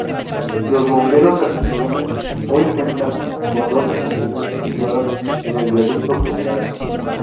Los Bomberos de Asunción hoy cuentan con dos Estaciones situadas en el Viaducto Gral.